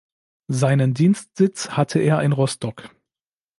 Seinen Dienstsitz hatte er in Rostock.